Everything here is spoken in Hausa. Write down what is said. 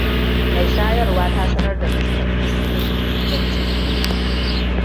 Mai shayarwa ta sanar da Mr. da Mrs. Smith.